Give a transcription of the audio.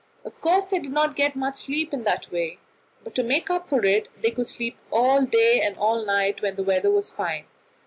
Of course, they did not get much sleep in that way, but to make up for it they could sleep all day and all night when the weather was fine.